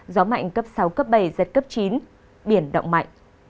gió mạnh cấp sáu cấp bảy giật cấp chín biển động mạnh